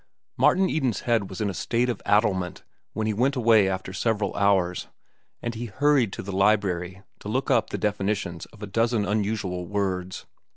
Martin Eden's head was in a state of addlement when he went away after several hours, and he hurried to the library to look up the definitions of a dozen unusual words.